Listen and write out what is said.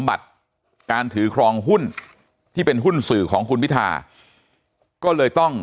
บัตรการถือครองหุ้นที่เป็นหุ้นสื่อของคุณพิธาก็เลยต้อง